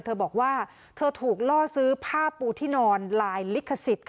เธอบอกว่าเธอถูกล่อซื้อผ้าปูที่นอนลายลิขสิทธิ์